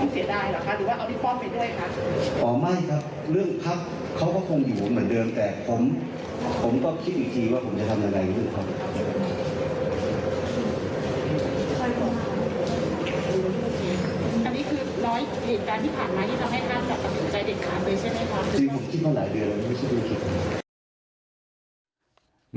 จริงจริงว่าหลายเดือนไม่ใช่เป็นเกี่ยวกัน